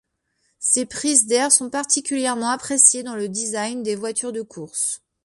Ces prises d'air sont particulièrement appréciées dans le design des voitures de course.